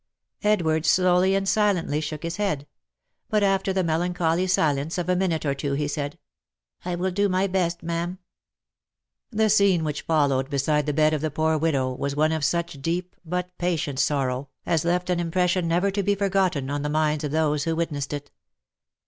Edward slowly and silently shook his head ; but after the melan choly silence of a minute or two, he said, " I will do my best, ma'am." The scene which followed beside the bed of the poor widow, was one of such deep, but patient sorrow, as left an impression never to be forgotten on the minds of those who witnessed it.